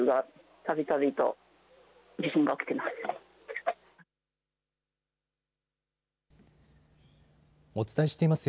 たびたびと地震が起きていますが。